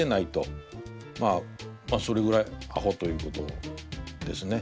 まあそれぐらいアホということですね。